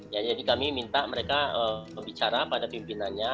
jadi kami minta mereka berbicara pada pimpinannya